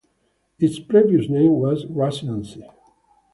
Its previous name was "Russian Sea".